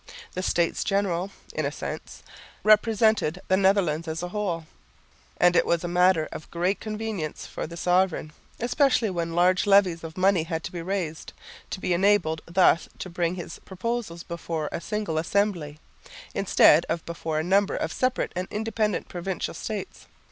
The States General (in a sense) represented the Netherlands as a whole; and it was a matter of great convenience for the sovereign, especially when large levies of money had to be raised, to be enabled thus to bring his proposals before a single assembly, instead of before a number of separate and independent provincial states.